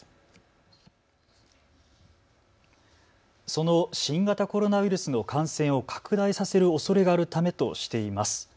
その新型コロナウイルスの感染を拡大させるおそれがあるためとしています。